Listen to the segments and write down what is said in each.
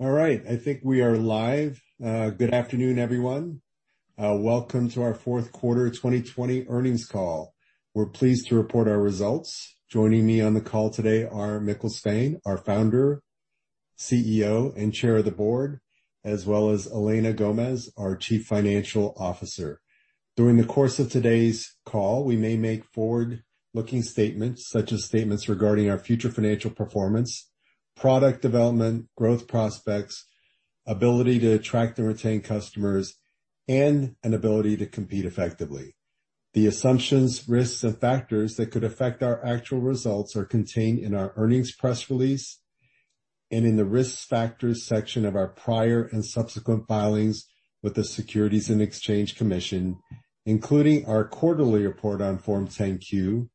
All right, I think we are live. Good afternoon, everyone. Welcome to our fourth quarter 2020 earnings call. We're pleased to report our results. Joining me on the call today are Mikkel Svane, our Founder, CEO, and Chairman of the Board, as well as Elena Gomez, our Chief Financial Officer. During the course of today's call, we may make forward-looking statements such as statements regarding our future financial performance, product development, growth prospects, ability to attract and retain customers, and an ability to compete effectively. The assumptions, risks, and factors that could affect our actual results are contained in our earnings press release and in the risk factors section of our prior and subsequent filings with the Securities & Exchange Commission, including our quarterly report on Form 10-Q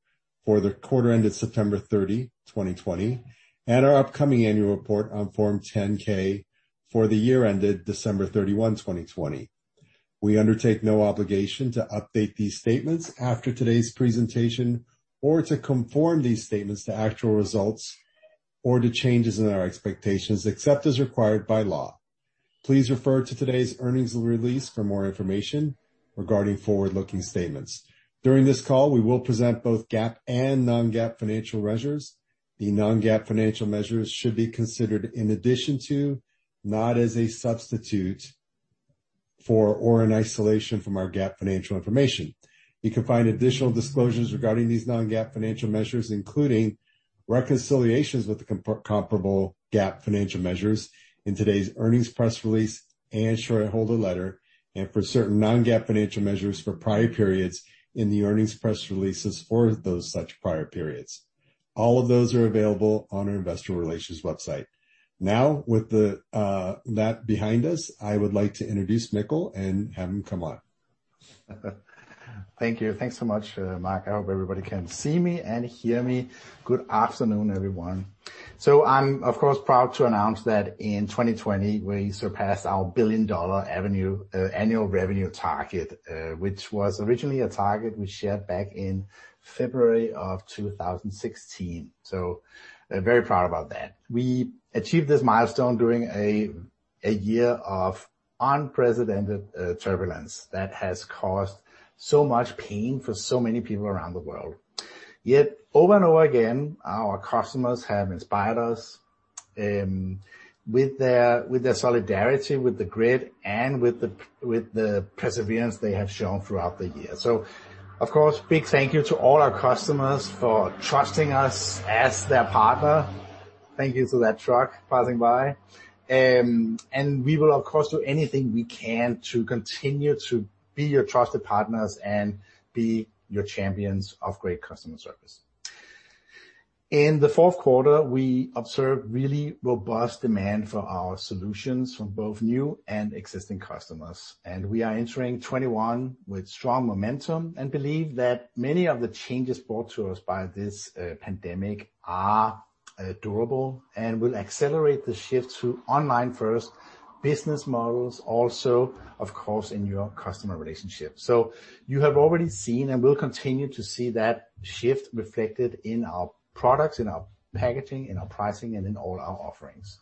for the quarter ended September 30, 2020, and our upcoming annual report on Form 10-K for the year ended December 31, 2020. We undertake no obligation to update these statements after today's presentation or to conform these statements to actual results or to changes in our expectations, except as required by law. Please refer to today's earnings release for more information regarding forward-looking statements. During this call, we will present both GAAP and non-GAAP financial measures. The non-GAAP financial measures should be considered in addition to, not as a substitute for or in isolation from our GAAP financial information. You can find additional disclosures regarding these non-GAAP financial measures, including reconciliations with the comparable GAAP financial measures in today's earnings press release and shareholder letter, and for certain non-GAAP financial measures for prior periods in the earnings press releases for those such prior periods. All of those are available on our investor relations website. Now, with that behind us, I would like to introduce Mikkel and have him come on. Thank you. Thanks so much, Mark. I hope everybody can see me and hear me. Good afternoon, everyone. I'm, of course, proud to announce that in 2020, we surpassed our billion-dollar annual revenue target, which was originally a target we shared back in February of 2016. Very proud about that. We achieved this milestone during a year of unprecedented turbulence that has caused so much pain for so many people around the world. Over and over again, our customers have inspired us with their solidarity, with the grit, and with the perseverance they have shown throughout the year. Of course, big thank you to all our customers for trusting us as their partner. Thank you to that truck passing by. We will, of course, do anything we can to continue to be your trusted partners and be your champions of great customer service. In the fourth quarter, we observed really robust demand for our solutions from both new and existing customers. We are entering 2021 with strong momentum and believe that many of the changes brought to us by this pandemic are durable and will accelerate the shift to online first business models, also, of course, in your customer relationship. You have already seen and will continue to see that shift reflected in our products, in our packaging, in our pricing, and in all our offerings.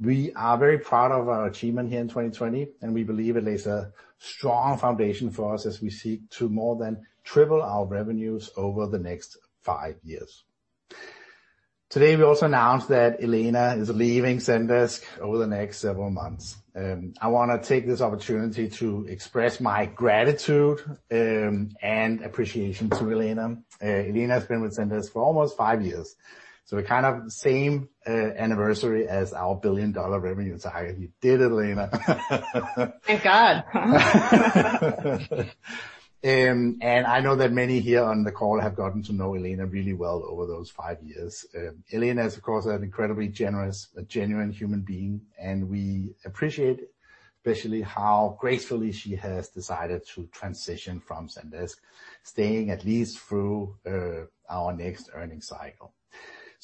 We are very proud of our achievement here in 2020, and we believe it lays a strong foundation for us as we seek to more than triple our revenues over the next five years. Today, we also announced that Elena is leaving Zendesk over the next several months. I want to take this opportunity to express my gratitude and appreciation to Elena. Elena has been with Zendesk for almost five years, kind of same anniversary as our billion-dollar revenue target. You did it, Elena. Thank God. I know that many here on the call have gotten to know Elena really well over those five years. Elena is, of course, an incredibly generous, genuine human being, and we appreciate especially how gracefully she has decided to transition from Zendesk, staying at least through our next earnings cycle.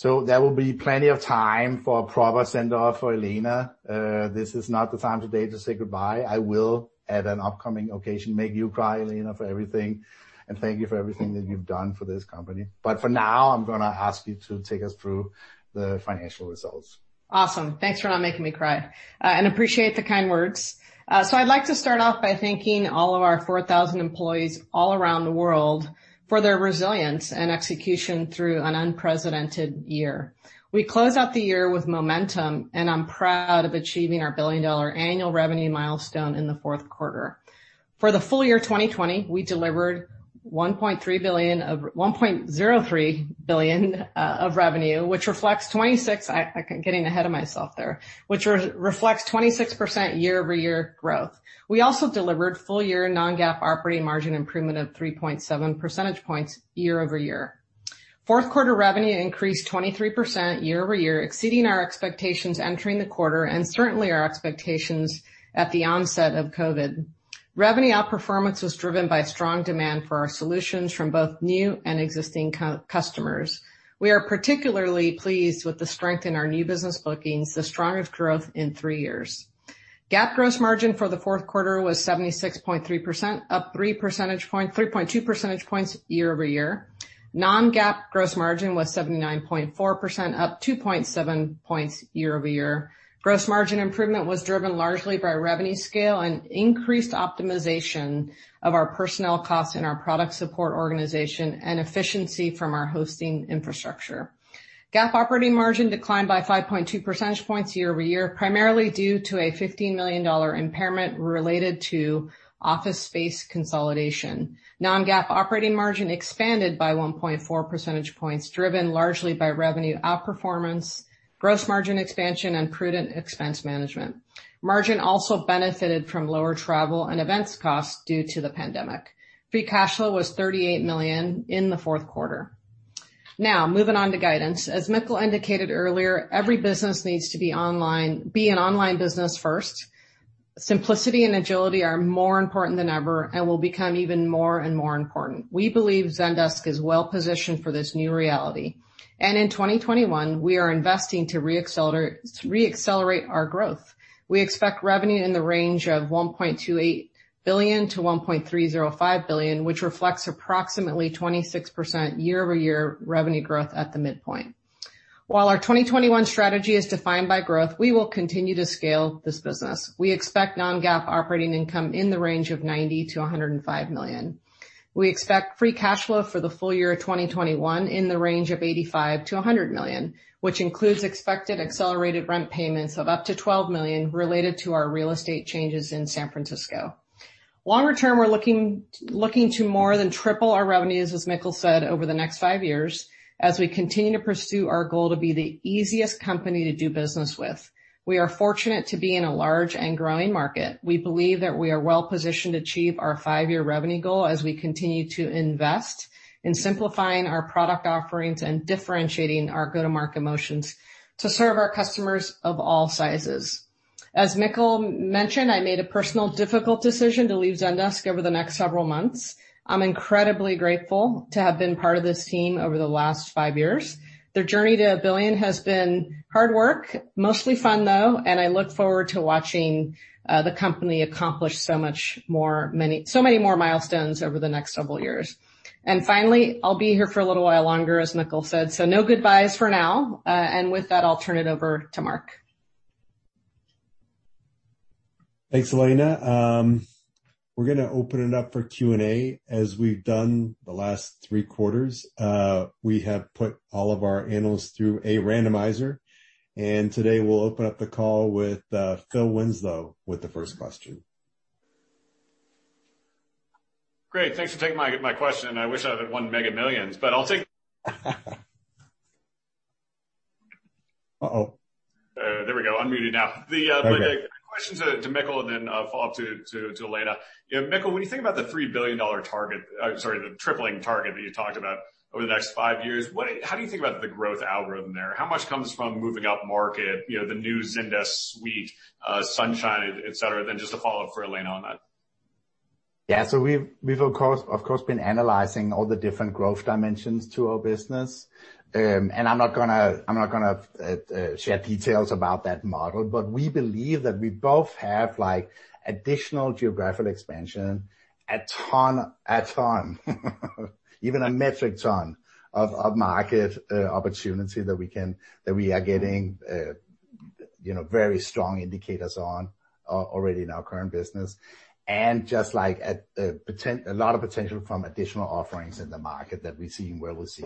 There will be plenty of time for a proper send-off for Elena. This is not the time today to say goodbye. I will, at an upcoming occasion, make you cry, Elena, for everything, and thank you for everything that you've done for this company. For now, I'm going to ask you to take us through the financial results. Awesome. Thanks for not making me cry. Appreciate the kind words. I'd like to start off by thanking all of our 4,000 employees all around the world for their resilience and execution through an unprecedented year. We close out the year with momentum, and I'm proud of achieving our billion-dollar annual revenue milestone in the fourth quarter. For the full year 2020, we delivered $1.03 billion of revenue. Which reflects 26% year-over-year growth. We also delivered full-year non-GAAP operating margin improvement of 3.7 percentage points year-over-year. Fourth quarter revenue increased 23% year-over-year, exceeding our expectations entering the quarter and certainly our expectations at the onset of COVID. Revenue outperformance was driven by strong demand for our solutions from both new and existing customers. We are particularly pleased with the strength in our new business bookings, the strongest growth in three years. GAAP gross margin for the fourth quarter was 76.3%, up 3.2 percentage points year-over-year. Non-GAAP gross margin was 79.4%, up 2.7 points year-over-year. Gross margin improvement was driven largely by revenue scale and increased optimization of our personnel costs in our product support organization, and efficiency from our hosting infrastructure. GAAP operating margin declined by 5.2 percentage points year-over-year, primarily due to a $15 million impairment related to office space consolidation. Non-GAAP operating margin expanded by 1.4 percentage points, driven largely by revenue outperformance, gross margin expansion, and prudent expense management. Margin also benefited from lower travel and events costs due to the pandemic. Free cash flow was $38 million in the fourth quarter. Now, moving on to guidance. As Mikkel indicated earlier, every business needs to be an online business first. Simplicity and agility are more important than ever and will become even more and more important. We believe Zendesk is well-positioned for this new reality. In 2021, we are investing to re-accelerate our growth. We expect revenue in the range of $1.28 billion to $1.305 billion, which reflects approximately 26% year-over-year revenue growth at the midpoint. While our 2021 strategy is defined by growth, we will continue to scale this business. We expect non-GAAP operating income in the range of $90 million to $105 million. We expect free cash flow for the full year of 2021 in the range of $85 million to $100 million, which includes expected accelerated rent payments of up to $12 million related to our real estate changes in San Francisco. Longer term, we're looking to more than triple our revenues, as Mikkel said, over the next five years, as we continue to pursue our goal to be the easiest company to do business with. We are fortunate to be in a large and growing market. We believe that we are well-positioned to achieve our five-year revenue goal as we continue to invest in simplifying our product offerings and differentiating our go-to-market motions to serve our customers of all sizes. As Mikkel mentioned, I made a personal difficult decision to leave Zendesk over the next several months. I'm incredibly grateful to have been part of this team over the last five years. The journey to a billion has been hard work, mostly fun though, and I look forward to watching the company accomplish so many more milestones over the next several years. Finally, I'll be here for a little while longer, as Mikkel said. No goodbyes for now. With that, I'll turn it over to Mark. Thanks, Elena. We're going to open it up for Q&A as we've done the last three quarters. We have put all of our analysts through a randomizer, and today we'll open up the call with Phil Winslow with the first question. Great. Thanks for taking my question. I wish I would've won Mega Millions, but I'll take Uh-oh. There we go. Unmuted now. Okay. The question to Mikkel and then a follow-up to Elena. Mikkel, when you think about the tripling target that you talked about over the next five years, how do you think about the growth algorithm there? How much comes from moving upmarket, the new Zendesk Suite, Sunshine, et cetera? Just a follow-up for Elena on that. Yeah. We've of course been analyzing all the different growth dimensions to our business. I'm not going to share details about that model, but we believe that we both have additional geographical expansion, a ton, even a metric ton, of market opportunity that we are getting very strong indicators on already in our current business. Just a lot of potential from additional offerings in the market that we see and where we'll see.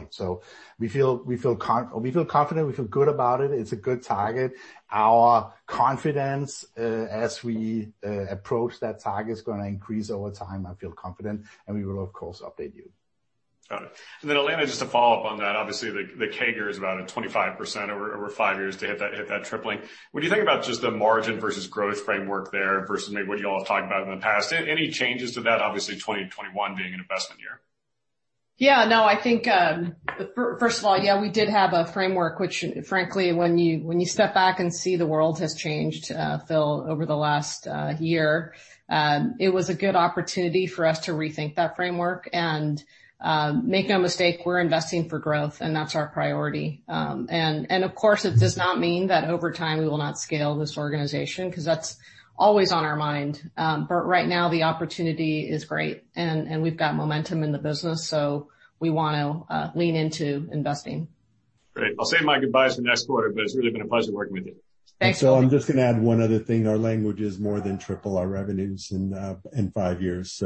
We feel confident. We feel good about it. It's a good target. Our confidence, as we approach that target, is going to increase over time. I feel confident, and we will, of course, update you. Got it. Elena, just to follow up on that, obviously the CAGR is about a 25% over five years to hit that tripling. When you think about just the margin versus growth framework there versus maybe what you all have talked about in the past, any changes to that? Obviously 2021 being an investment year. Yeah. No. First of all, yeah, we did have a framework which frankly when you step back and see the world has changed, Phil, over the last year, it was a good opportunity for us to rethink that framework. Make no mistake, we're investing for growth and that's our priority. Of course, it does not mean that over time we will not scale this organization, because that's always on our mind. Right now the opportunity is great, and we've got momentum in the business, so we want to lean into investing. Great. I'll save my goodbyes for next quarter, but it's really been a pleasure working with you. Thanks, Phil. I'm just going to add one other thing. Our language is more than triple our revenues in five years.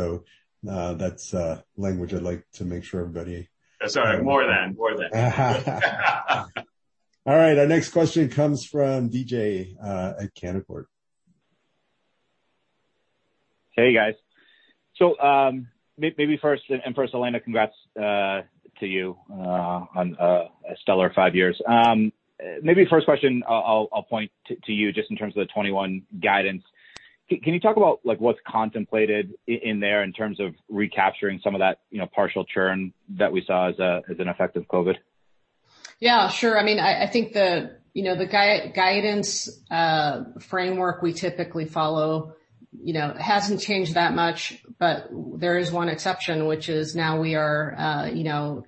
That's language I'd like to make sure everybody. Sorry. More than. All right. Our next question comes from DJ at Canaccord. Hey, guys. Maybe first, and first Elena, congrats to you on a stellar five years. Maybe first question, I'll point to you just in terms of the 2021 guidance. Can you talk about what's contemplated in there in terms of recapturing some of that partial churn that we saw as an effect of COVID? Yeah, sure. I think the guidance framework we typically follow hasn't changed that much. There is one exception, which is now we are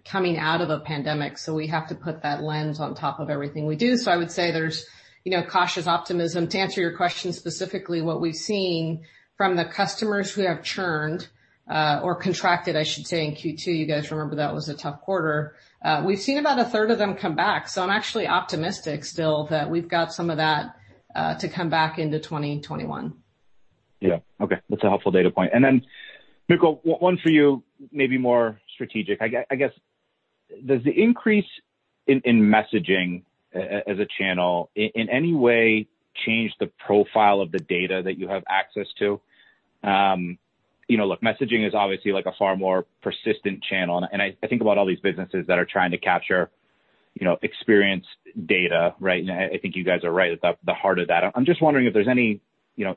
coming out of a pandemic. We have to put that lens on top of everything we do. I would say there's cautious optimism. To answer your question specifically, what we've seen from the customers who have churned or contracted, I should say, in Q2, you guys remember that was a tough quarter. We've seen about a third of them come back. I'm actually optimistic still that we've got some of that to come back into 2021. Yeah. Okay. That's a helpful data point. Mikkel, one for you, maybe more strategic. I guess, does the increase in messaging as a channel in any way change the profile of the data that you have access to? Look, messaging is obviously a far more persistent channel, and I think about all these businesses that are trying to capture experience data, right? I think you guys are right at the heart of that. I'm just wondering if there's any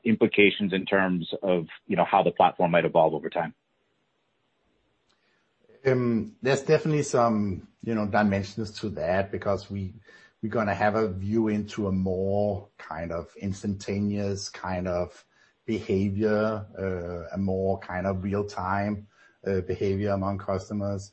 implications in terms of how the platform might evolve over time. There's definitely some dimensions to that because we're going to have a view into a more instantaneous kind of behavior, a more real-time behavior among customers.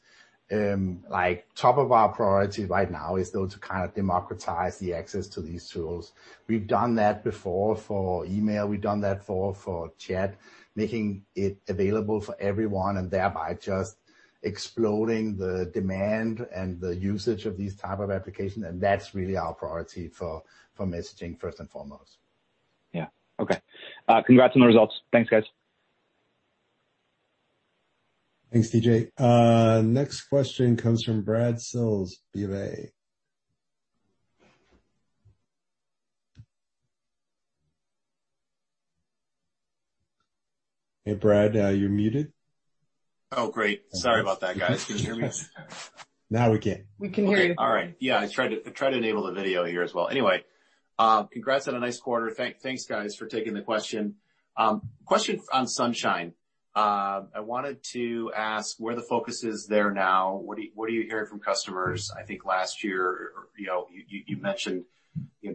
Top of our priority right now is still to kind of democratize the access to these tools. We've done that before for email, we've done that for chat, making it available for everyone, and thereby just exploding the demand and the usage of these type of application, and that's really our priority for messaging first and foremost. Yeah. Okay. Congrats on the results. Thanks, guys. Thanks, DJ. Next question comes from Brad Sills, BofA. Hey, Brad, you're muted. Oh, great. Sorry about that, guys. Can you hear me? Now we can. We can hear you. All right. Yeah, I tried to enable the video here as well. Congrats on a nice quarter. Thanks, guys, for taking the question. Question on Sunshine. I wanted to ask where the focus is there now. What are you hearing from customers? I think last year, you mentioned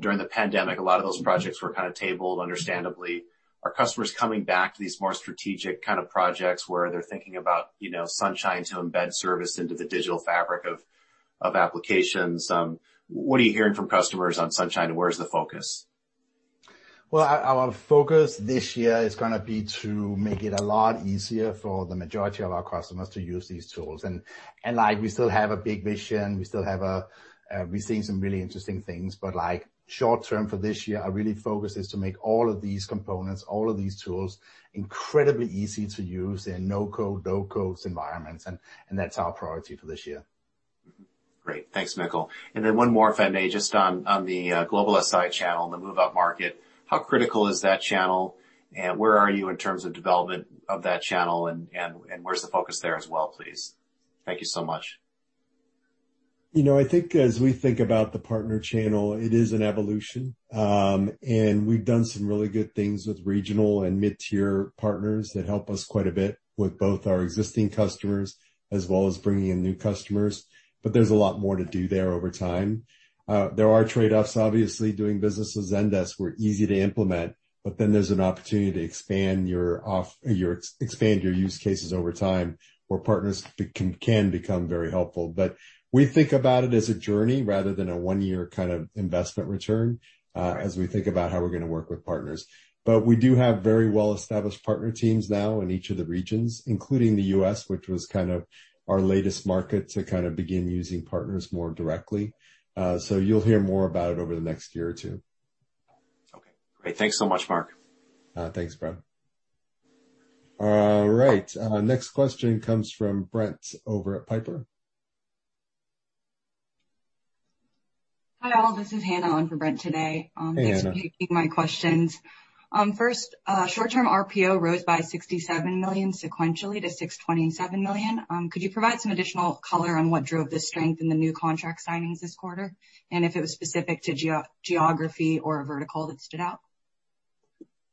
during the pandemic, a lot of those projects were kind of tabled, understandably. Are customers coming back to these more strategic kind of projects where they're thinking about Sunshine to embed service into the digital fabric of applications? What are you hearing from customers on Sunshine, and where's the focus? Well, our focus this year is going to be to make it a lot easier for the majority of our customers to use these tools. We still have a big vision. We're seeing some really interesting things. Short term for this year, our really focus is to make all of these components, all of these tools, incredibly easy to use in no-code, low-code environments, and that's our priority for this year. Great. Thanks, Mikkel. One more, if I may, just on the global SI channel and the move-up market, how critical is that channel, and where are you in terms of development of that channel and where's the focus there as well, please? Thank you so much. I think as we think about the partner channel, it is an evolution. We've done some really good things with regional and mid-tier partners that help us quite a bit with both our existing customers as well as bringing in new customers, but there's a lot more to do there over time. There are trade-offs, obviously, doing business with Zendesk. We're easy to implement, but then there's an opportunity to expand your use cases over time where partners can become very helpful. We think about it as a journey rather than a one-year kind of investment return as we think about how we're going to work with partners. We do have very well-established partner teams now in each of the regions, including the U.S., which was kind of our latest market to kind of begin using partners more directly. You'll hear more about it over the next year or two. Okay, great. Thanks so much, Mark. Thanks, Brad. All right. Next question comes from Brent over at Piper. Hi, all. This is Hannah on for Brent today. Hey, Hannah. Thanks for taking my questions. First, short-term RPO rose by $67 million sequentially to $627 million. Could you provide some additional color on what drove the strength in the new contract signings this quarter, and if it was specific to geography or a vertical that stood out?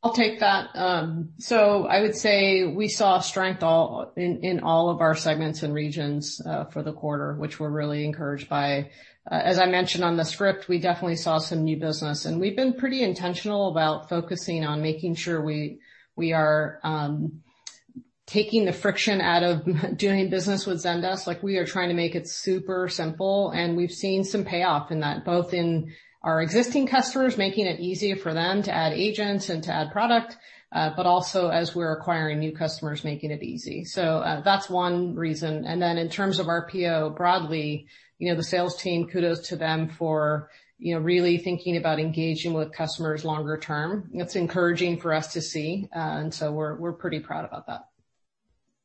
I'll take that. I would say we saw strength in all of our segments and regions for the quarter, which we're really encouraged by. As I mentioned on the script, we definitely saw some new business, and we've been pretty intentional about focusing on making sure we are taking the friction out of doing business with Zendesk. We are trying to make it super simple, and we've seen some payoff in that, both in our existing customers, making it easier for them to add agents and to add product, but also as we're acquiring new customers, making it easy. That's one reason. In terms of RPO broadly, the sales team, kudos to them for really thinking about engaging with customers longer term. It's encouraging for us to see. We're pretty proud about that.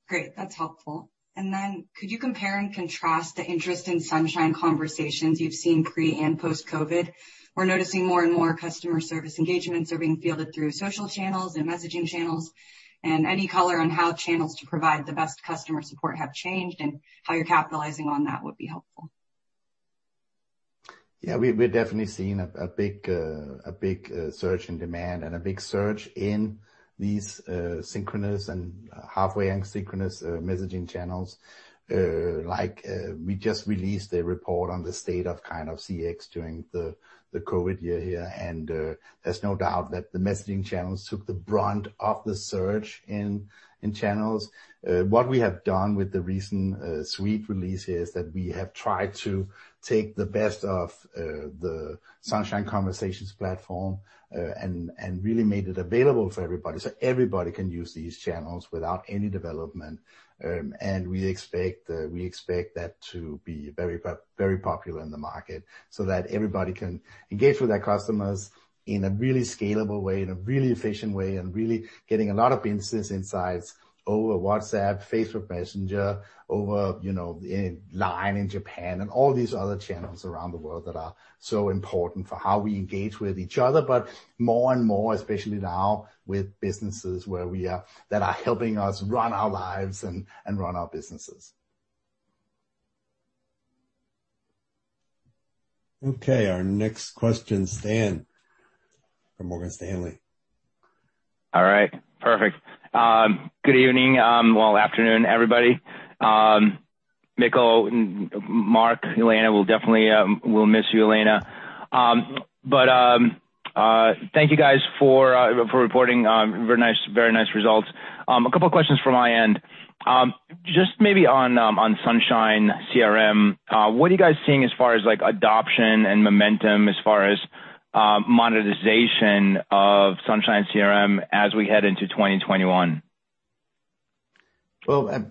Great. That's helpful. Then could you compare and contrast the interest in Sunshine Conversations you've seen pre- and post-COVID? We're noticing more and more customer service engagements are being fielded through social channels and messaging channels. Any color on how channels to provide the best customer support have changed and how you're capitalizing on that would be helpful. Yeah, we're definitely seeing a big surge in demand and a big surge in these synchronous and halfway asynchronous messaging channels. We just released a report on the state of kind of CX during the COVID year here. There's no doubt that the messaging channels took the brunt of the surge in channels. What we have done with the recent Suite release is that we have tried to take the best of the Sunshine Conversations platform, and really made it available for everybody. Everybody can use these channels without any development. We expect that to be very popular in the market so that everybody can engage with their customers in a really scalable way, in a really efficient way, and really getting a lot of business insights over WhatsApp, Facebook Messenger, over LINE in Japan and all these other channels around the world that are so important for how we engage with each other. More and more, especially now with businesses that are helping us run our lives and run our businesses. Okay. Our next question, Stan from Morgan Stanley. All right. Perfect. Good evening, well, afternoon, everybody. Mikkel, Mark, Elena. We'll miss you, Elena. Thank you guys for reporting. Very nice results. A couple of questions from my end. Just maybe on Sunshine CRM, what are you guys seeing as far as adoption and momentum, as far as monetization of Sunshine CRM as we head into 2021?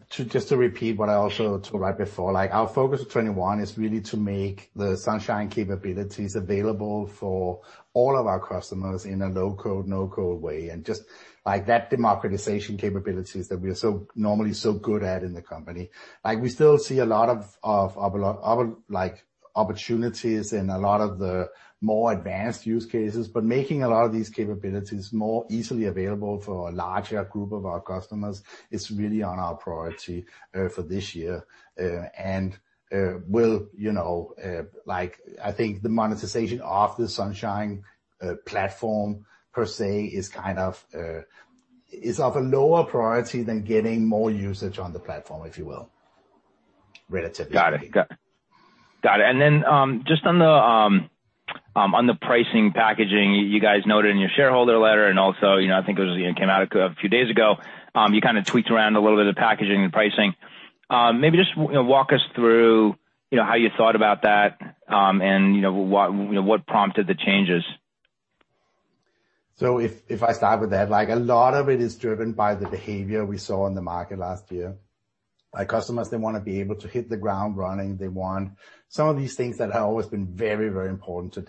Just to repeat what I also told right before, our focus for 2021 is really to make the Sunshine capabilities available for all of our customers in a low-code, no-code way. Just that democratization capabilities that we are normally so good at in the company. We still see a lot of opportunities in a lot of the more advanced use cases, but making a lot of these capabilities more easily available for a larger group of our customers is really on our priority for this year. I think the monetization of the Sunshine platform per se is of a lower priority than getting more usage on the platform, if you will, relatively speaking. Got it. Then just on the pricing packaging, you guys noted in your shareholder letter and also, I think it came out a few days ago, you kind of tweaked around a little bit of packaging and pricing. Maybe just walk us through how you thought about that, and what prompted the changes? A lot of it is driven by the behavior we saw in the market last year. Customers, they want to be able to hit the ground running. They want some of these things that have always been very important to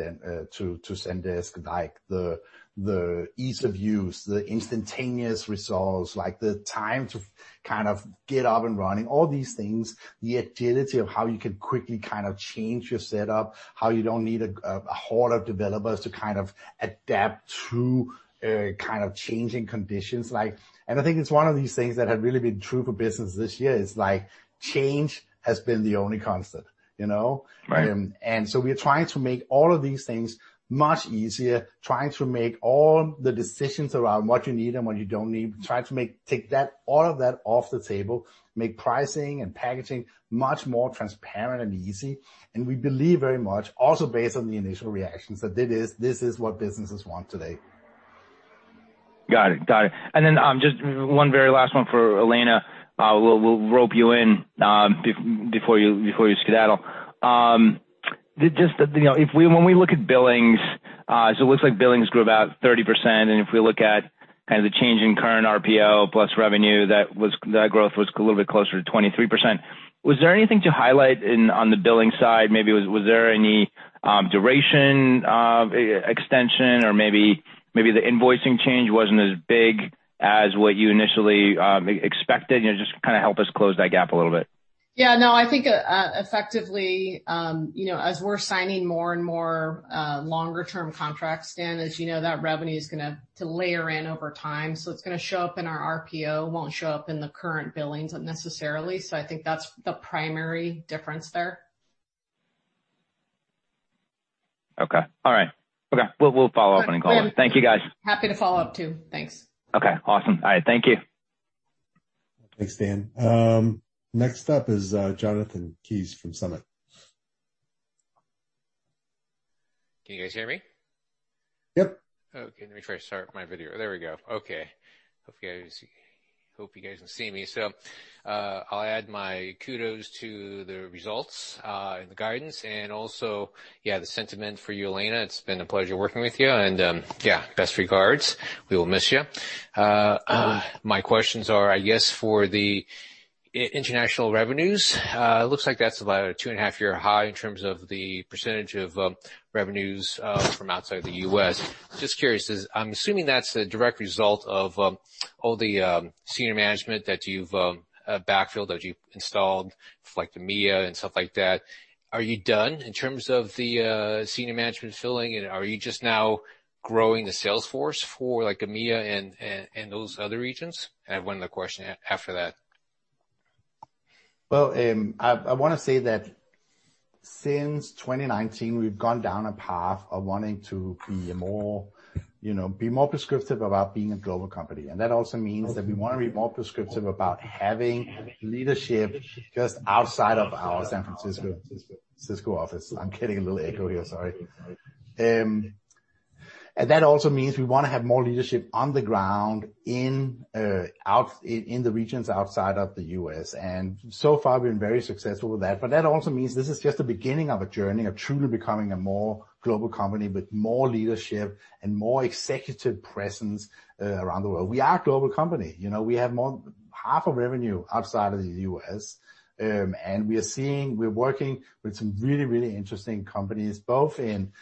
Zendesk, like the ease of use, the instantaneous results, the time to kind of get up and running, all these things. The agility of how you can quickly change your setup, how you don't need a horde of developers to adapt through changing conditions. I think it's one of these things that had really been true for business this year is change has been the only constant. Right. We are trying to make all of these things much easier, trying to make all the decisions around what you need and what you don't need, trying to take all of that off the table, make pricing and packaging much more transparent and easy. We believe very much, also based on the initial reactions, that this is what businesses want today. Got it. Just one very last one for Elena. We'll rope you in before you skedaddle. When we look at billings, so it looks like billings grew about 30%, and if we look at kind of the change in current RPO plus revenue, that growth was a little bit closer to 23%. Was there anything to highlight on the billing side? Maybe was there any duration extension or maybe the invoicing change wasn't as big as what you initially expected? Just kind of help us close that gap a little bit. Yeah. No, I think effectively, as we're signing more and more longer term contracts, Stan, as you know, that revenue is going to layer in over time. It's going to show up in our RPO, won't show up in the current billings necessarily. I think that's the primary difference there. Okay. All right. Okay. We'll follow up on a call then. Great. Thank you, guys. Happy to follow up, too. Thanks. Okay, awesome. All right. Thank you. Thanks, Stan. Next up is Jonathan Kees from Summit. Can you guys hear me? Yep. Okay, let me try to start my video. There we go. Okay. Hope you guys can see me. I'll add my kudos to the results, and the guidance, and also, yeah, the sentiment for you, Elena. It's been a pleasure working with you, and yeah, best regards. We will miss you. My questions are, I guess, for the international revenues. It looks like that's about a two and a half year high in terms of the percentage of revenues from outside the U.S. Just curious, I'm assuming that's a direct result of all the senior management that you've backfilled, that you've installed, like the Mia and stuff like that. Are you done in terms of the senior management filling, and are you just now growing the sales force for EMEA and those other regions? I have one other question after that. Well, I want to say that since 2019, we've gone down a path of wanting to be more prescriptive about being a global company. That also means that we want to be more prescriptive about having leadership just outside of our San Francisco office. I'm getting a little echo here, sorry. That also means we want to have more leadership on the ground in the regions outside of the U.S., and so far, we've been very successful with that. That also means this is just the beginning of a journey of truly becoming a more global company with more leadership and more executive presence around the world. We are a global company. We have half of revenue outside of the U.S. We're working with some really interesting companies, both in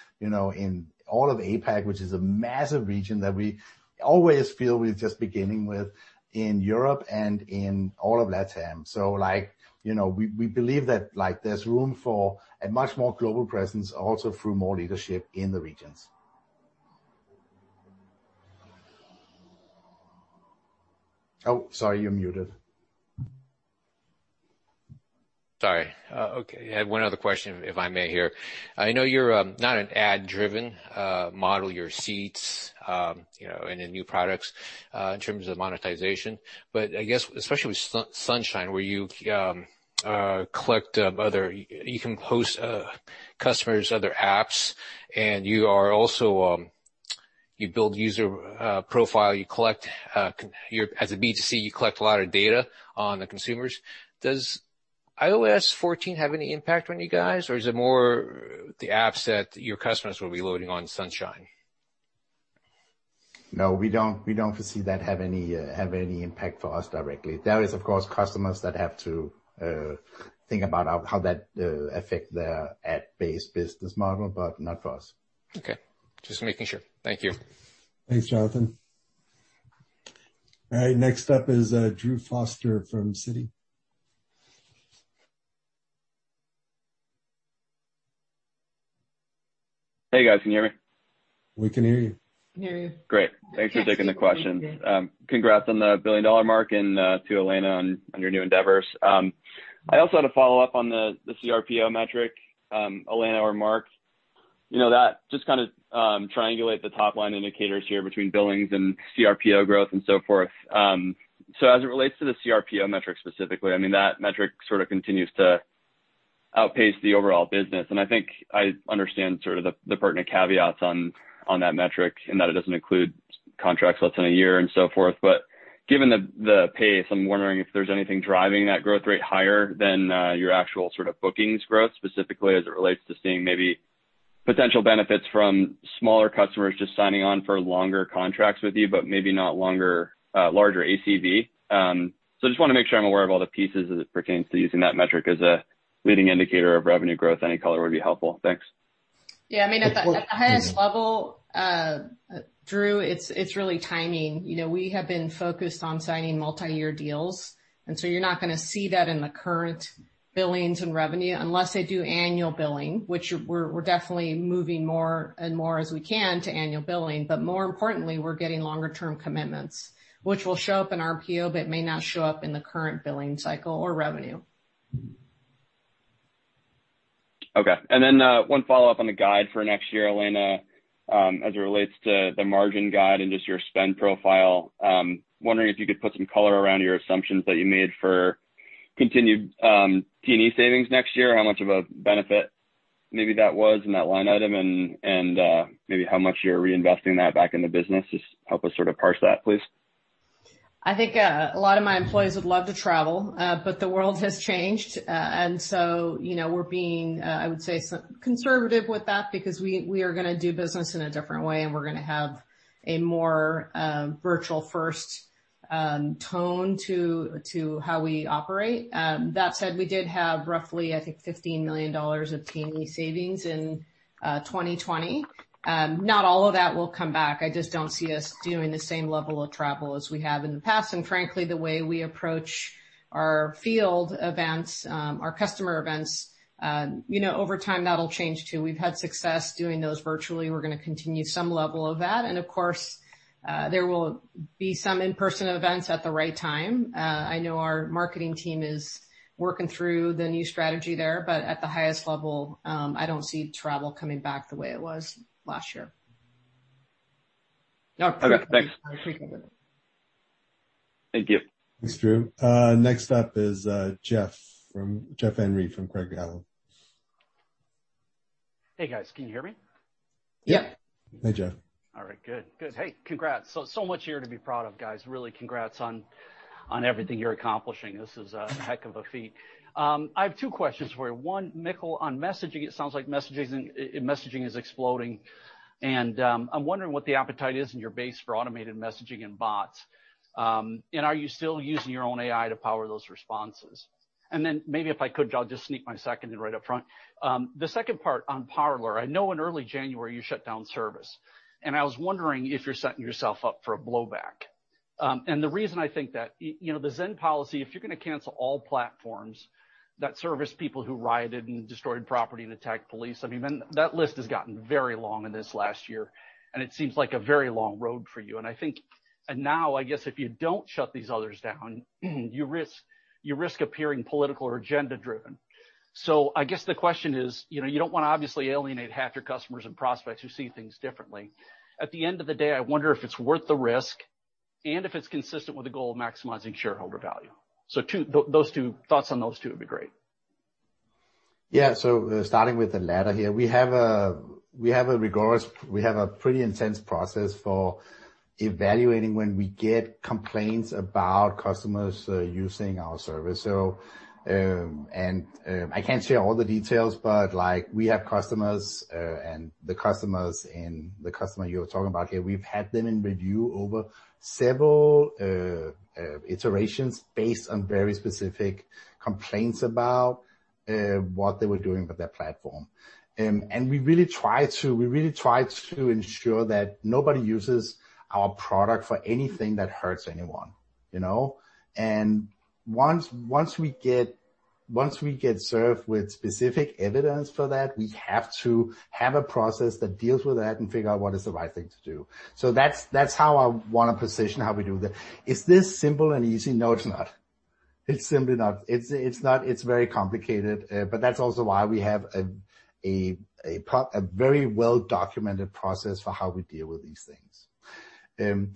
all of APAC, which is a massive region that we always feel we're just beginning with in Europe and in all of LATAM. We believe that there's room for a much more global presence also through more leadership in the regions. Oh, sorry, you're muted. Sorry. Okay. I had one other question, if I may here. I know you're not an ad-driven model, your seats, and in new products, in terms of monetization. I guess especially with Sunshine, where you can host customers' other apps, and you build user profile, as a B2C, you collect a lot of data on the consumers. Does iOS 14 have any impact on you guys, or is it more the apps that your customers will be loading on Sunshine? No, we don't foresee that have any impact for us directly. There is, of course, customers that have to think about how that affect their ad-based business model, but not for us. Okay. Just making sure. Thank you. Thanks, Jonathan. All right, next up is Drew Foster from Citi. Hey, guys, can you hear me? We can hear you. Can hear you. Great. Thanks for taking the questions. Congrats on the billion-dollar mark, and to Elena on your new endeavors. I also had a follow-up on the CRPO metric. Elena or Mark. Just kind of triangulate the top-line indicators here between billings and CRPO growth and so forth. As it relates to the CRPO metric specifically, I mean, that metric sort of continues to outpace the overall business, and I think I understand sort of the pertinent caveats on that metric in that it doesn't include contracts less than a year and so forth. Given the pace, I'm wondering if there's anything driving that growth rate higher than your actual sort of bookings growth, specifically as it relates to seeing maybe potential benefits from smaller customers just signing on for longer contracts with you, but maybe not larger ACV. I just want to make sure I'm aware of all the pieces as it pertains to using that metric as a leading indicator of revenue growth. Any color would be helpful. Thanks. Yeah, I mean, at the highest level, Drew, it's really timing. We have been focused on signing multi-year deals, and so you're not going to see that in the current billings and revenue unless they do annual billing, which we're definitely moving more and more as we can to annual billing. More importantly, we're getting longer-term commitments, which will show up in RPO, but may not show up in the current billing cycle or revenue. Okay. One follow-up on the guide for next year, Elena, as it relates to the margin guide and just your spend profile. I'm wondering if you could put some color around your assumptions that you made for continued T&E savings next year, how much of a benefit maybe that was in that line item and maybe how much you're reinvesting that back in the business. Just help us sort of parse that, please. I think a lot of my employees would love to travel. The world has changed. We're being, I would say, conservative with that because we are going to do business in a different way, and we're going to have a more virtual-first tone to how we operate. That said, we did have roughly, I think, $15 million of T&E savings in 2020. Not all of that will come back. I just don't see us doing the same level of travel as we have in the past. Frankly, the way we approach our field events, our customer events, over time, that'll change, too. We've had success doing those virtually. We're going to continue some level of that. Of course, there will be some in-person events at the right time. I know our marketing team is working through the new strategy there, but at the highest level, I don't see travel coming back the way it was last year. Okay, thanks. Thank you. Thanks, Drew. Next up is Jeff Van Rhee from Craig-Hallum. Hey, guys. Can you hear me? Yep. Hey, Jeff. All right, good. Hey, congrats. Much here to be proud of, guys. Really congrats on everything you're accomplishing. This is a heck of a feat. I have two questions for you. One, Mikkel, on messaging, it sounds like messaging is exploding, and I'm wondering what the appetite is in your base for automated messaging and bots. Are you still using your own AI to power those responses? Maybe if I could, I'll just sneak my second in right up front. The second part on Parler, I know in early January you shut down service, and I was wondering if you're setting yourself up for a blowback. The reason I think that, the Zen policy, if you're going to cancel all platforms. That service people who rioted and destroyed property and attacked police. I mean, that list has gotten very long in this last year, and it seems like a very long road for you. I think, and now, I guess if you don't shut these others down, you risk appearing political or agenda-driven. I guess the question is, you don't want to obviously alienate half your customers and prospects who see things differently. At the end of the day, I wonder if it's worth the risk and if it's consistent with the goal of maximizing shareholder value. Thoughts on those two would be great. Yeah. Starting with the latter here, we have a pretty intense process for evaluating when we get complaints about customers using our service. I can't share all the details, but we have customers, and the customer you're talking about here, we've had them in review over several iterations based on very specific complaints about what they were doing with their platform. We really try to ensure that nobody uses our product for anything that hurts anyone. Once we get served with specific evidence for that, we have to have a process that deals with that and figure out what is the right thing to do. That's how I want to position how we do that. Is this simple and easy? No, it's not. It's simply not. It's very complicated. That's also why we have a very well-documented process for how we deal with these things.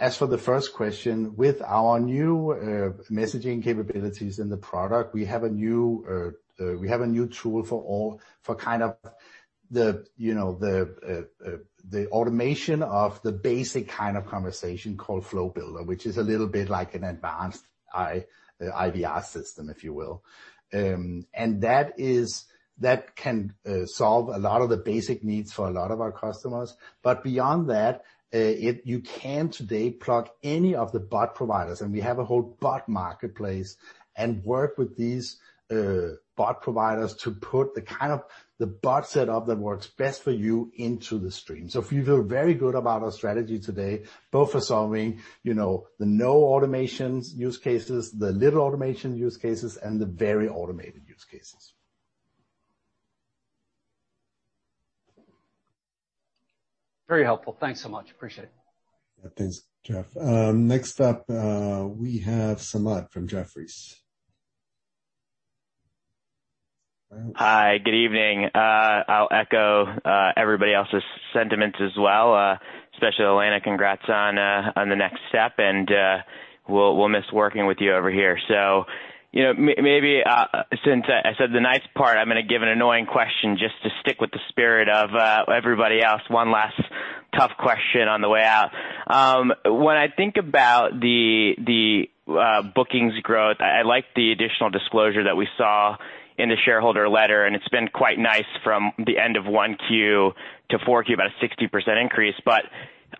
As for the first question, with our new messaging capabilities in the product, we have a new tool for the automation of the basic kind of conversation called Flow Builder, which is a little bit like an advanced IVR system, if you will. That can solve a lot of the basic needs for a lot of our customers. Beyond that, you can today plug any of the bot providers, and we have a whole bot marketplace, and work with these bot providers to put the kind of the bot set up that works best for you into the stream. We feel very good about our strategy today, both for solving the no automations use cases, the little automation use cases, and the very automated use cases. Very helpful. Thanks so much. Appreciate it. Yeah, thanks, Jeff. Next up, we have Samad from Jefferies. Hi, good evening. I'll echo everybody else's sentiments as well, especially Elena, congrats on the next step, and we'll miss working with you over here. maybe since I said the nice part, I'm going to give an annoying question just to stick with the spirit of everybody else, one last tough question on the way out. When I think about the bookings growth, I like the additional disclosure that we saw in the shareholder letter, and it's been quite nice from the end of one Q to four Q, about a 60% increase.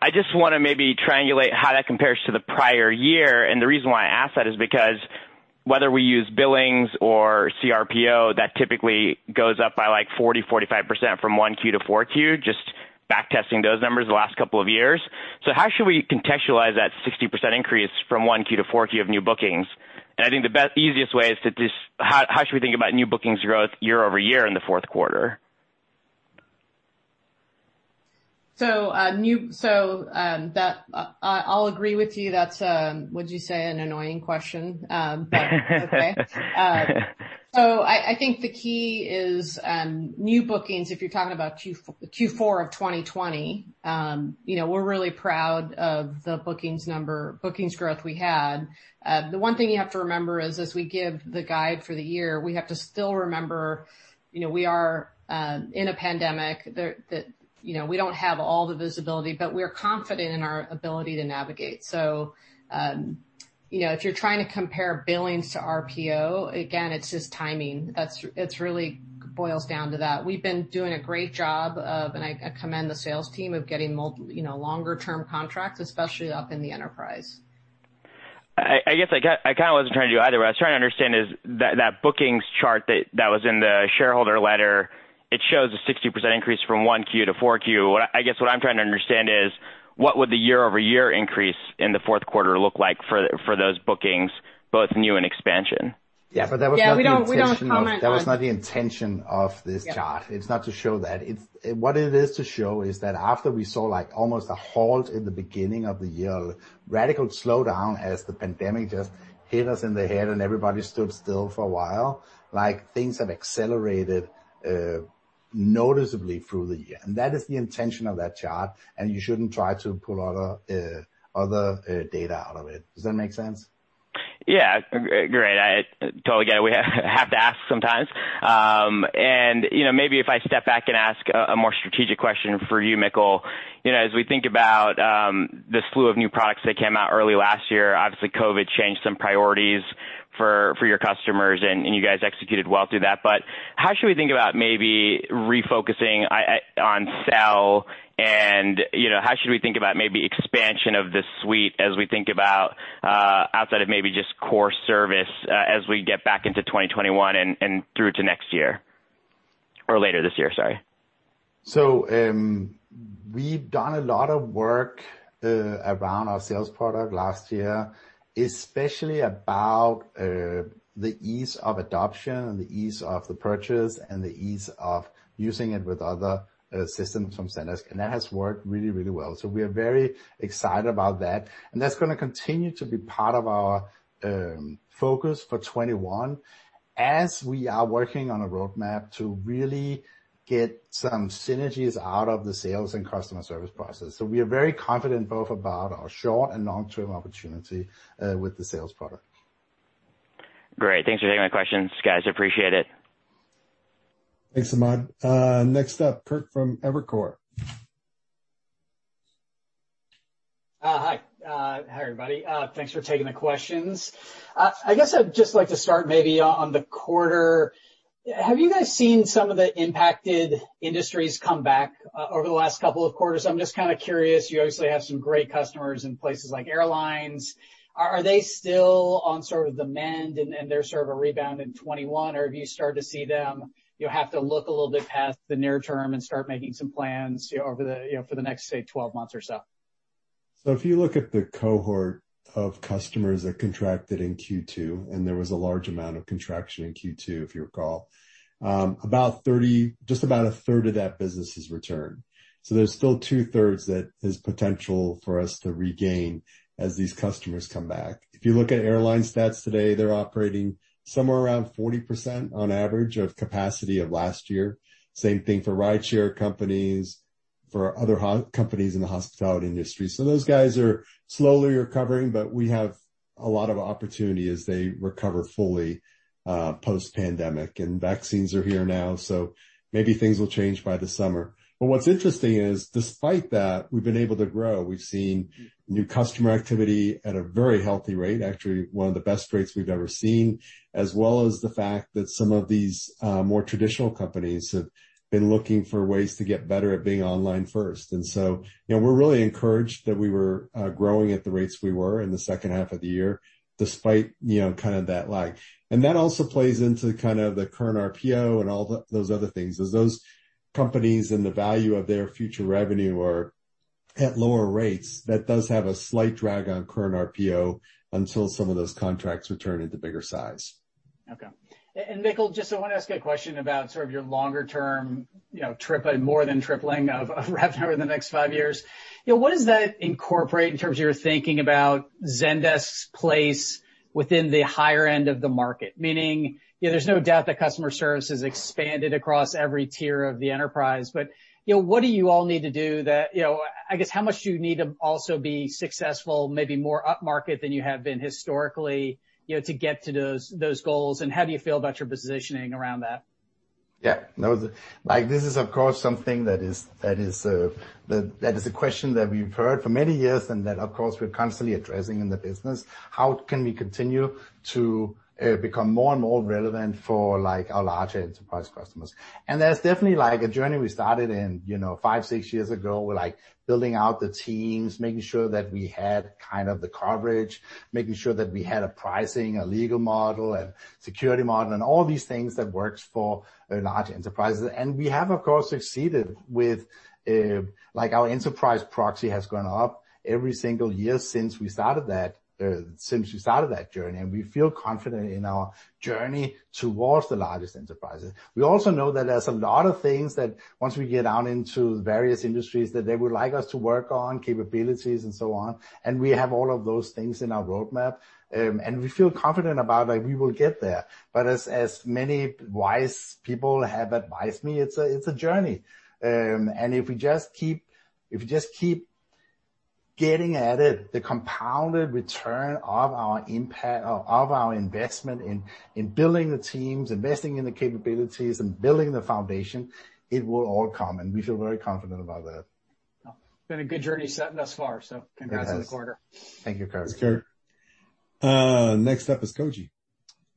I just want to maybe triangulate how that compares to the prior year, and the reason why I ask that is because whether we use billings or CRPO, that typically goes up by 40%-45% from one Q to four Q, just back testing those numbers the last couple of years. How should we contextualize that 60% increase from one Q to four Q of new bookings? I think the easiest way is to just how should we think about new bookings growth year over year in the fourth quarter? I'll agree with you. That's, would you say, an annoying question? It's okay. I think the key is new bookings, if you're talking about Q4 of 2020, we're really proud of the bookings growth we had. The one thing you have to remember is as we give the guide for the year, we have to still remember, we are in a pandemic. We don't have all the visibility, but we are confident in our ability to navigate. If you're trying to compare billings to RPO, again, it's just timing. It really boils down to that. We've been doing a great job of, and I commend the sales team of getting longer term contracts, especially up in the enterprise. I guess I kind of wasn't trying to do either. What I was trying to understand is that bookings chart that was in the shareholder letter, it shows a 60% increase from one Q to four Q. I guess what I'm trying to understand is what would the year-over-year increase in the fourth quarter look like for those bookings, both new and expansion? Yeah, that was not the intention of. Yeah, we don't want to comment on. That was not the intention of this chart. Yeah. It's not to show that. What it is to show is that after we saw almost a halt in the beginning of the year, radical slowdown as the pandemic just hit us in the head and everybody stood still for a while, things have accelerated noticeably through the year. That is the intention of that chart, and you shouldn't try to pull other data out of it. Does that make sense? Yeah. Great. I totally get it. We have to ask sometimes. Maybe if I step back and ask a more strategic question for you, Mikkel. As we think about the slew of new products that came out early last year, obviously COVID changed some priorities for your customers, and you guys executed well through that. How should we think about maybe refocusing on Sell, and how should we think about maybe expansion of this suite as we think about outside of maybe just core service, as we get back into 2021 and through to next year? Later this year, sorry. We've done a lot of work around our sales product last year, especially about the ease of adoption and the ease of the purchase and the ease of using it with other systems from Zendesk, and that has worked really, really well. We are very excited about that. That's going to continue to be part of our focus for 2021 as we are working on a roadmap to really get some synergies out of the sales and customer service process. We are very confident both about our short and long-term opportunity with the sales product. Great. Thanks for taking my questions, guys. Appreciate it. Thanks, Samad. Next up, Kirk from Evercore. Hi. Hi, everybody. Thanks for taking the questions. I guess I'd just like to start maybe on the quarter. Have you guys seen some of the impacted industries come back over the last couple of quarters? I'm just kind of curious. You obviously have some great customers in places like airlines. Are they still on sort of the mend and they're sort of a rebound in 2021? Or have you started to see them, you have to look a little bit past the near term and start making some plans for the next, say, 12 months or so? If you look at the cohort of customers that contracted in Q2, and there was a large amount of contraction in Q2, if you recall, just about 1/3 of that business has returned. There's still 2/3 that has potential for us to regain as these customers come back. If you look at airline stats today, they're operating somewhere around 40% on average of capacity of last year. Same thing for rideshare companies, for other companies in the hospitality industry. Those guys are slowly recovering, but we have a lot of opportunity as they recover fully post-pandemic. Vaccines are here now, so maybe things will change by the summer. What's interesting is despite that, we've been able to grow. We've seen new customer activity at a very healthy rate, actually one of the best rates we've ever seen, as well as the fact that some of these more traditional companies have been looking for ways to get better at being online first. We're really encouraged that we were growing at the rates we were in the second half of the year, despite kind of that lag. That also plays into kind of the current RPO and all those other things. As those companies and the value of their future revenue are at lower rates, that does have a slight drag on current RPO until some of those contracts return at the bigger size. Okay. Mikkel, just I want to ask a question about sort of your longer term more than tripling of revenue over the next five years. What does that incorporate in terms of your thinking about Zendesk's place within the higher end of the market? Meaning, there's no doubt that customer service has expanded across every tier of the enterprise. I guess, how much do you need to also be successful, maybe more upmarket than you have been historically, to get to those goals, and how do you feel about your positioning around that? Yeah. This is, of course, something that is a question that we've heard for many years, and that, of course, we're constantly addressing in the business. How can we continue to become more and more relevant for our larger enterprise customers? That's definitely a journey we started in five, six years ago with building out the teams, making sure that we had kind of the coverage, making sure that we had a pricing, a legal model, and security model, and all these things that works for large enterprises. We have, of course, succeeded with. Our enterprise proxy has gone up every single year since we started that journey, and we feel confident in our journey towards the largest enterprises. We also know that there's a lot of things that once we get out into various industries, that they would like us to work on, capabilities and so on. We have all of those things in our roadmap. We feel confident about we will get there. As many wise people have advised me, it's a journey. If we just keep getting at it, the compounded return of our investment in building the teams, investing in the capabilities, and building the foundation, it will all come, and we feel very confident about that. It's been a good journey setting thus far, so congrats It has. On the quarter. Thank you, Kirk. Thanks, Kirk. Next up is Koji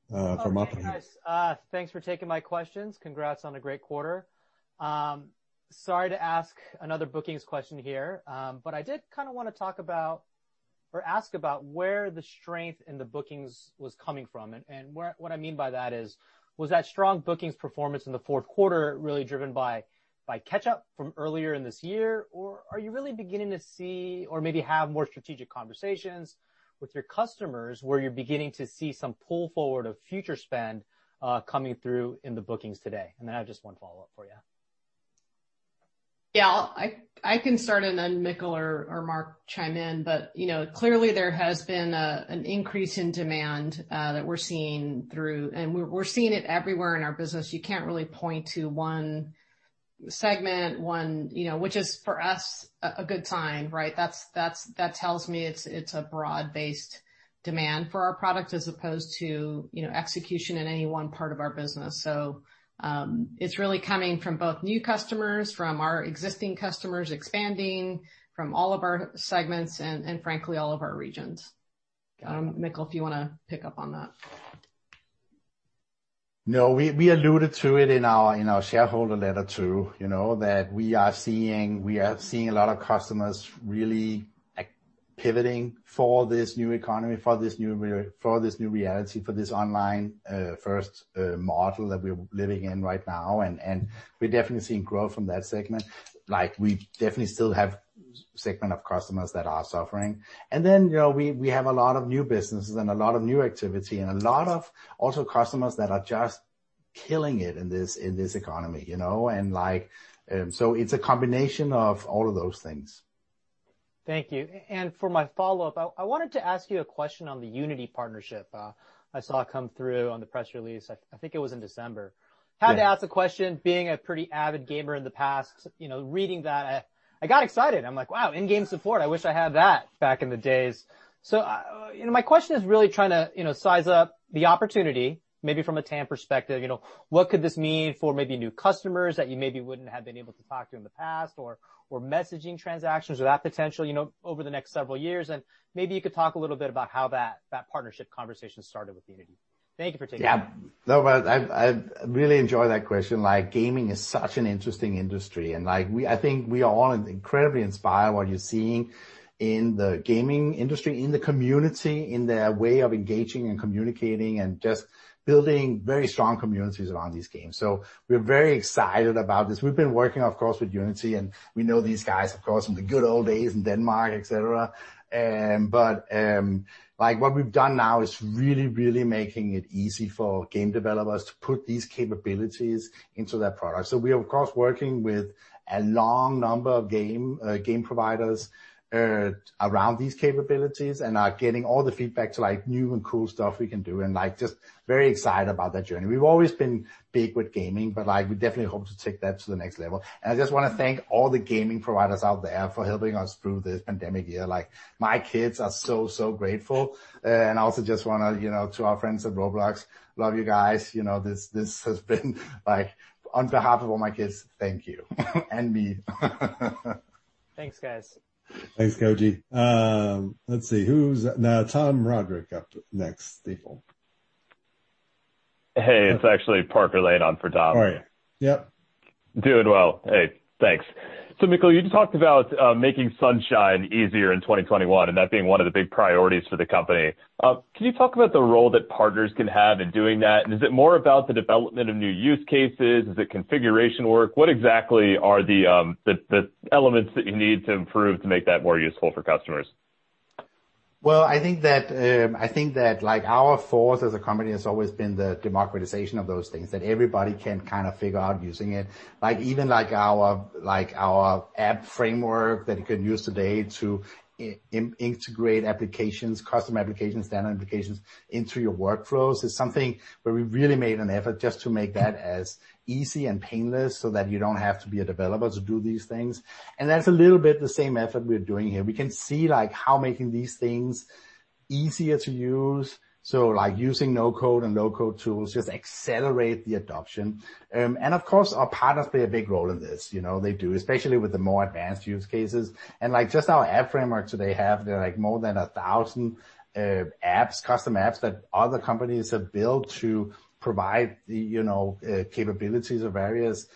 from Oppenheimer. Hi, guys. Thanks for taking my questions. Congrats on a great quarter. Sorry to ask another bookings question here, but I did kind of want to talk about or ask about where the strength in the bookings was coming from. What I mean by that is, was that strong bookings performance in the fourth quarter really driven by catch-up from earlier in this year? Are you really beginning to see or maybe have more strategic conversations with your customers where you're beginning to see some pull forward of future spend coming through in the bookings today? I have just one follow-up for you. Yeah. I can start and then Mikkel or Mark chime in. Clearly there has been an increase in demand that we're seeing through, and we're seeing it everywhere in our business. You can't really point to one segment, which is for us a good sign, right? That tells me it's a broad-based demand for our product as opposed to execution in any one part of our business. It's really coming from both new customers, from our existing customers expanding, from all of our segments and frankly all of our regions. Mikkel, if you want to pick up on that. No, we alluded to it in our shareholder letter, too, that we are seeing a lot of customers really Pivoting for this new economy, for this new reality, for this online first model that we're living in right now. We're definitely seeing growth from that segment. We definitely still have segment of customers that are suffering. Then we have a lot of new businesses and a lot of new activity, and a lot of also customers that are just killing it in this economy. It's a combination of all of those things. Thank you. For my follow-up, I wanted to ask you a question on the Unity partnership. I saw it come through on the press release, I think it was in December. Yeah. Had to ask the question, being a pretty avid gamer in the past, reading that I got excited. I'm like, "Wow, in-game support. I wish I had that back in the days." My question is really trying to size up the opportunity, maybe from a TAM perspective. What could this mean for maybe new customers that you maybe wouldn't have been able to talk to in the past? Messaging transactions or that potential over the next several years? Maybe you could talk a little bit about how that partnership conversation started with Unity. Thank you for taking my question. Yeah. No, but I really enjoy that question. Gaming is such an interesting industry, and I think we are all incredibly inspired what you're seeing in the gaming industry, in the community, in their way of engaging and communicating and just building very strong communities around these games. We're very excited about this. We've been working, of course, with Unity, and we know these guys, of course, from the good old days in Denmark, et cetera. What we've done now is really, really making it easy for game developers to put these capabilities into their product. We are, of course, working with a long number of game providers around these capabilities and are getting all the feedback to new and cool stuff we can do, and just very excited about that journey. We've always been big with gaming, but we definitely hope to take that to the next level. I just want to thank all the gaming providers out there for helping us through this pandemic year. My kids are so grateful. I also just want to our friends at Roblox, love you guys. This has been on behalf of all my kids, thank you. me. Thanks, guys. Thanks, Koji. Let's see who's Now Tom Roderick up next, Stifel. Hey, it's actually Parker Lane on for Tom. How are you? Yep. Doing well. Hey, thanks. Mikkel, you talked about making Sunshine easier in 2021, and that being one of the big priorities for the company. Can you talk about the role that partners can have in doing that? Is it more about the development of new use cases? Is it configuration work? What exactly are the elements that you need to improve to make that more useful for customers? Well, I think that our force as a company has always been the democratization of those things, that everybody can kind of figure out using it. Even our app framework that you can use today to integrate applications, custom applications, standard applications into your workflows is something where we really made an effort just to make that as easy and painless so that you don't have to be a developer to do these things. That's a little bit the same effort we're doing here. We can see how making these things easier to use. Using no-code and low-code tools just accelerate the adoption. Of course, our partners play a big role in this. They do, especially with the more advanced use cases. just our app framework today have, they're more than 1,000 apps, custom apps that other companies have built to provide the capabilities of various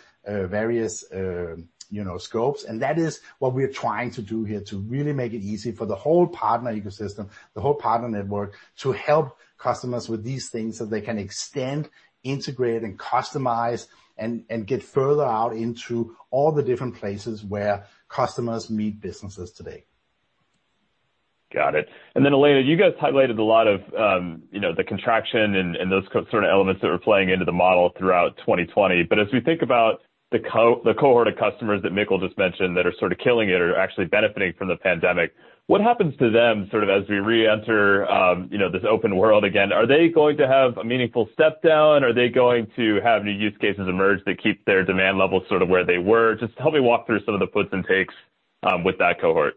scopes. that is what we're trying to do here to really make it easy for the whole partner ecosystem, the whole partner network, to help customers with these things so they can extend, integrate, and customize, and get further out into all the different places where customers meet businesses today. Got it. Elena, you guys highlighted a lot of the contraction and those sort of elements that were playing into the model throughout 2020. As we think about the cohort of customers that Mikkel just mentioned that are sort of killing it or actually benefiting from the pandemic, what happens to them sort of as we reenter this open world again? Are they going to have a meaningful step down? Are they going to have new use cases emerge that keep their demand levels sort of where they were? Just help me walk through some of the puts and takes with that cohort.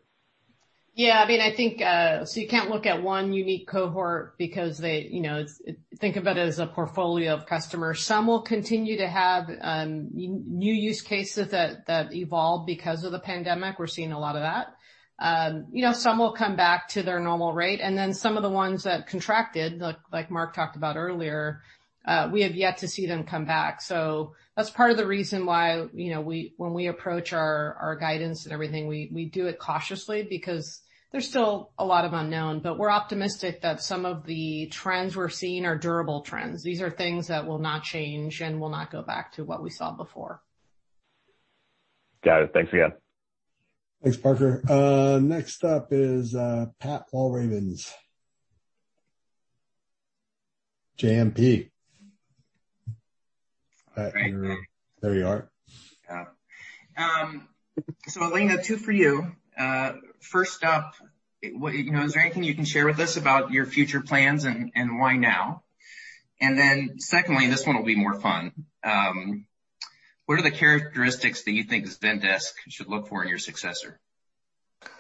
Yeah. you can't look at one unique cohort because think of it as a portfolio of customers. Some will continue to have new use cases that evolve because of the pandemic. We're seeing a lot of that. Some will come back to their normal rate, and then some of the ones that contracted, like Mark talked about earlier, we have yet to see them come back. that's part of the reason why when we approach our guidance and everything, we do it cautiously because there's still a lot of unknown. we're optimistic that some of the trends we're seeing are durable trends. These are things that will not change and will not go back to what we saw before. Got it. Thanks again. Thanks, Parker. Next up is Pat Walravens. JMP. All right. There you are. Yeah. Elena, two for you. First up, is there anything you can share with us about your future plans, and why now? Then secondly, this one will be more fun. What are the characteristics that you think Zendesk should look for in your successor?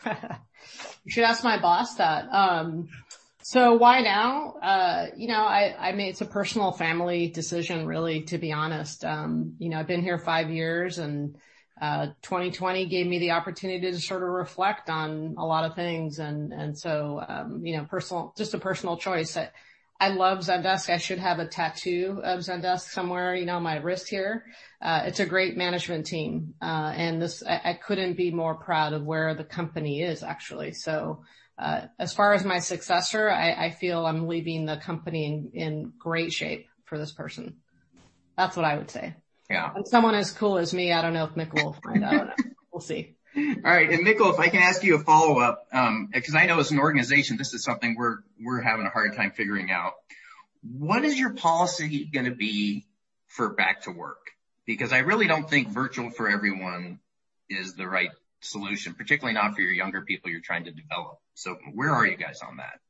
You should ask my boss that. Why now? It's a personal family decision, really, to be honest. I've been here five years, and 2020 gave me the opportunity to sort of reflect on a lot of things, and so just a personal choice. I love Zendesk. I should have a tattoo of Zendesk somewhere, my wrist here. It's a great management team. I couldn't be more proud of where the company is, actually. As far as my successor, I feel I'm leaving the company in great shape for this person. That's what I would say. Yeah. Someone as cool as me, I don't know if Mikkel will find out. We'll see. All right. Mikkel, if I can ask you a follow-up, because I know as an organization, this is something we're having a hard time figuring out. What is your policy going to be for back to work? Because I really don't think virtual for everyone is the right solution, particularly not for your younger people you're trying to develop. Where are you guys on that?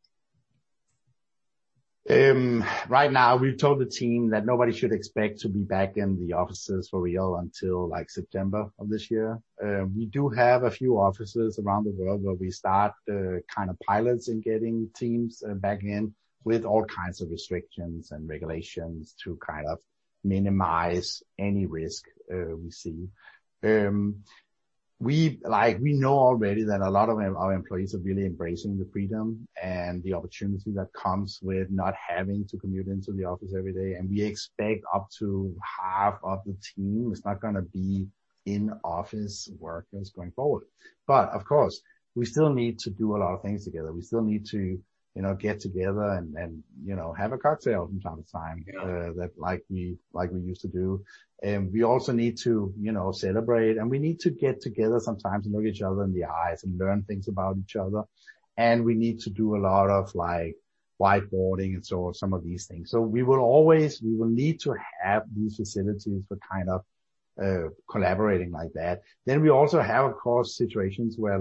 Right now, we've told the team that nobody should expect to be back in the offices for real until September of this year. We do have a few offices around the world where we start kind of pilots in getting teams back in with all kinds of restrictions and regulations to kind of minimize any risk we see. We know already that a lot of our employees are really embracing the freedom and the opportunity that comes with not having to commute into the office every day, and we expect up to half of the team is not going to be in-office workers going forward. Of course, we still need to do a lot of things together. We still need to get together and have a cocktail from time to time. Yeah. Like we used to do. We also need to celebrate, and we need to get together sometimes and look each other in the eyes and learn things about each other, and we need to do a lot of whiteboarding and so on, some of these things. we will need to have these facilities for kind of collaborating like that. we also have, of course, situations where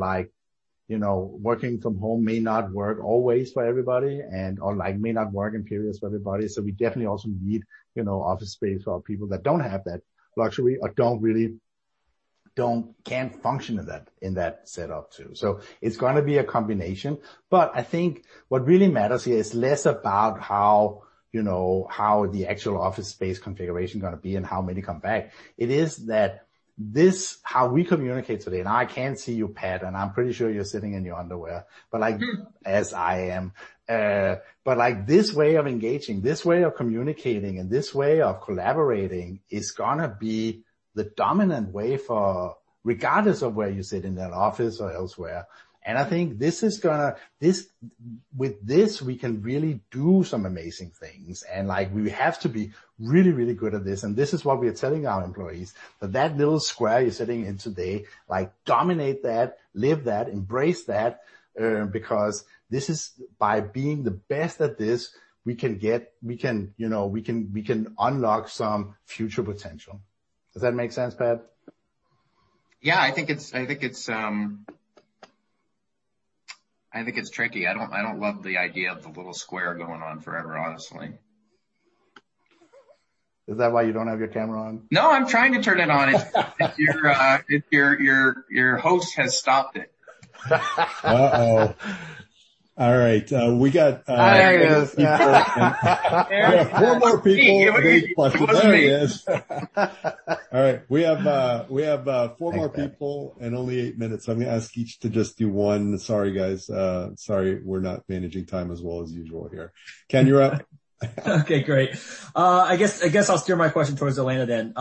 working from home may not work always for everybody or may not work in periods for everybody. we definitely also need office space for people that don't have that luxury or can't function in that setup too. it's going to be a combination. I think what really matters here is less about how the actual office space configuration going to be and how many come back. It is that this how we communicate today, and I can't see you, Pat, and I'm pretty sure you're sitting in your underwear, but like as I am. This way of engaging, this way of communicating, and this way of collaborating is going to be the dominant way for regardless of where you sit in that office or elsewhere. I think with this, we can really do some amazing things, and we have to be really, really good at this, and this is what we are telling our employees, that that little square you're sitting in today, dominate that, live that, embrace that, because by being the best at this, we can unlock some future potential. Does that make sense, Pat? Yeah, I think it's tricky. I don't love the idea of the little square going on forever, honestly. Is that why you don't have your camera on? No, I'm trying to turn it on. Your host has stopped it. Uh-oh. All right. There he goes. Yeah. We got four more people. There he is. All right. We have four more people and only eight minutes, so I'm going to ask each to just do one. Sorry, guys. Sorry, we're not managing time as well as usual here. Ken, you're up. Okay, great. I guess I'll steer my question towards Elena then.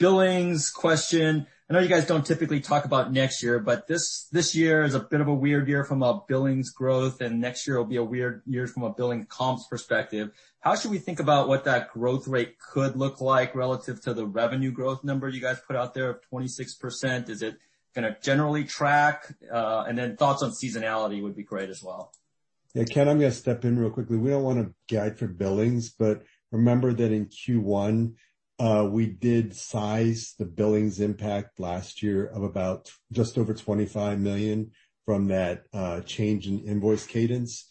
Billings question. I know you guys don't typically talk about next year, but this year is a bit of a weird year from a billings growth, and next year will be a weird year from a billing comps perspective. How should we think about what that growth rate could look like relative to the revenue growth number you guys put out there of 26%? Is it going to generally track? Then thoughts on seasonality would be great as well. Yeah. Ken, I'm going to step in real quickly. We don't want to guide for billings. Remember that in Q1, we did size the billings impact last year of about just over $25 million from that change in invoice cadence.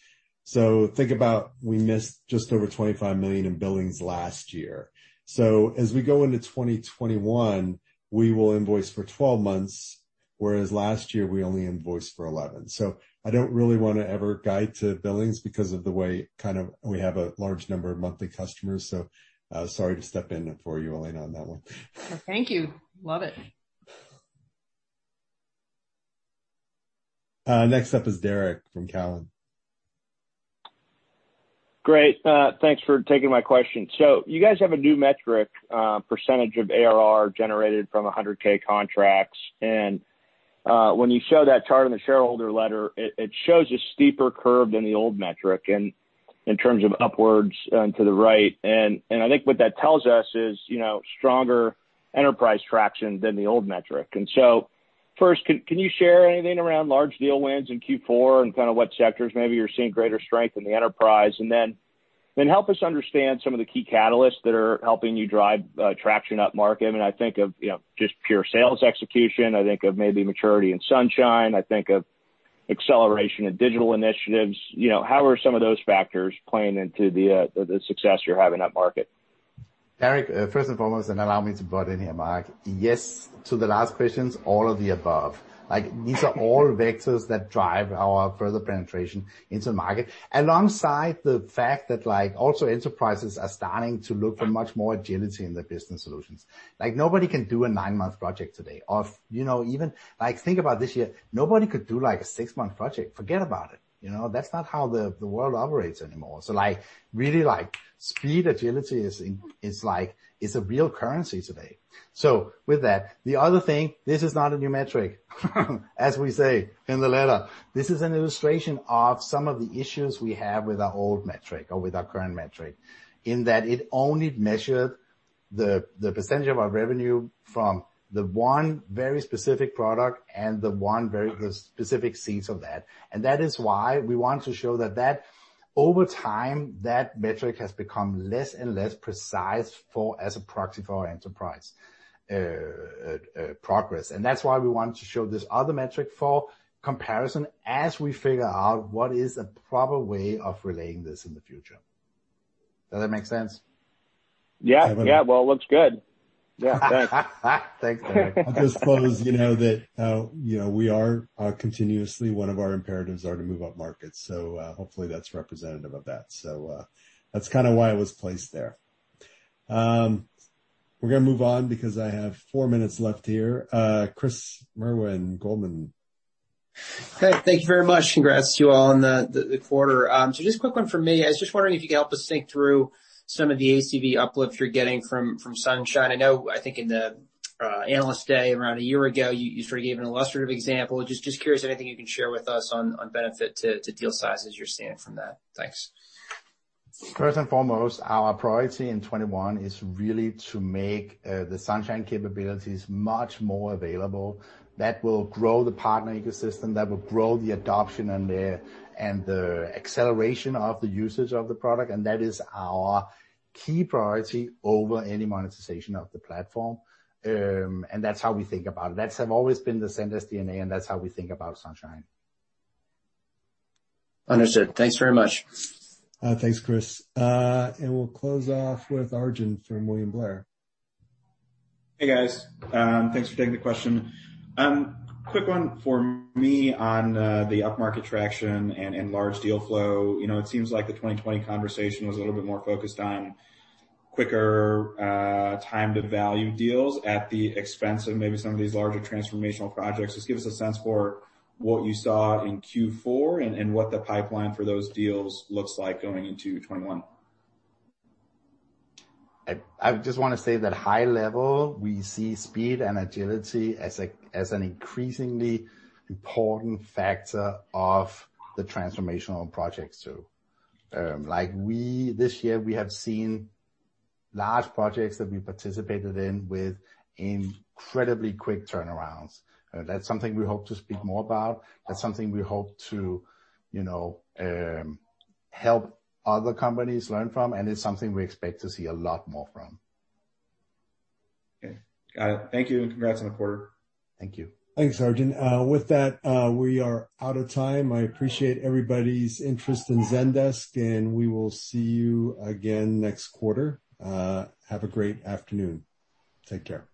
Think about we missed just over $25 million in billings last year. As we go into 2021, we will invoice for 12 months, whereas last year we only invoiced for 11. I don't really want to ever guide to billings because of the way kind of we have a large number of monthly customers. Sorry to step in for you, Elena, on that one. Thank you. Love it. Next up is Derrick from Cowen. Great. Thanks for taking my question. You guys have a new metric, percentage of ARR generated from 100K contracts. When you show that chart in the shareholder letter, it shows a steeper curve than the old metric in terms of upwards to the right. I think what that tells us is stronger enterprise traction than the old metric. First, can you share anything around large deal wins in Q4 and kind of what sectors maybe you're seeing greater strength in the enterprise? Then help us understand some of the key catalysts that are helping you drive traction up market. I think of just pure sales execution. I think of maybe maturity in Sunshine. I think of acceleration in digital initiatives. How are some of those factors playing into the success you're having up market? Derrick, first and foremost, and allow me to butt in here, Mark. Yes to the last questions, all of the above. These are all vectors that drive our further penetration into the market, alongside the fact that also enterprises are starting to look for much more agility in their business solutions. Nobody can do a nine-month project today. Think about this year. Nobody could do a six-month project. Forget about it. That's not how the world operates anymore. Really speed, agility is a real currency today. With that, the other thing, this is not a new metric. As we say in the letter, this is an illustration of some of the issues we have with our old metric or with our current metric, in that it only measured the percentage of our revenue from the one very specific product and the one very specific seats of that. That is why we want to show that over time, that metric has become less and less precise as a proxy for our enterprise progress. That's why we want to show this other metric for comparison as we figure out what is a proper way of relaying this in the future. Does that make sense? Yeah. Well, it looks good. Yeah. Thanks. Thanks, Derrick. I'll just close, that we are continuously, one of our imperatives are to move up markets. Hopefully that's representative of that. That's kind of why it was placed there. We're going to move on because I have four minutes left here. Chris Merwin, Goldman. Okay. Thank you very much. Congrats to you all on the quarter. Just a quick one from me. I was just wondering if you could help us think through some of the ACV uplifts you're getting from Sunshine. I know, I think in the Analyst Day around a year ago, you sort of gave an illustrative example. Just curious anything you can share with us on benefit to deal size as you're seeing it from that? Thanks. First and foremost, our priority in 2021 is really to make the Sunshine capabilities much more available. That will grow the partner ecosystem, that will grow the adoption and the acceleration of the usage of the product, and that is our key priority over any monetization of the platform. That's how we think about it. That's have always been the Zendesk DNA, and that's how we think about Sunshine. Understood. Thanks very much. Thanks, Chris. We'll close off with Arjun from William Blair. Hey, guys. Thanks for taking the question. Quick one for me on the upmarket traction and large deal flow. It seems like the 2020 conversation was a little bit more focused on quicker time to value deals at the expense of maybe some of these larger transformational projects. Just give us a sense for what you saw in Q4 and what the pipeline for those deals looks like going into 2021. I just want to say that high level, we see speed and agility as an increasingly important factor of the transformational projects too. This year we have seen large projects that we participated in with incredibly quick turnarounds. That's something we hope to speak more about. That's something we hope to help other companies learn from, and it's something we expect to see a lot more from. Okay. Got it. Thank you, and congrats on the quarter. Thank you. Thanks, Arjun. With that, we are out of time. I appreciate everybody's interest in Zendesk, and we will see you again next quarter. Have a great afternoon. Take care.